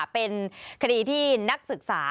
เป็นคดีที่นักศึกษา